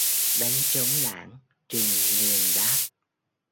Đánh trống lảng trình liền đáp